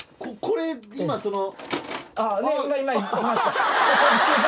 これ今その。